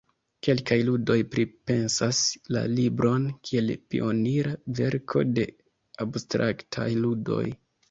Kelkaj ludoj pripensas la libron kiel pionira verko de abstraktaj ludoj.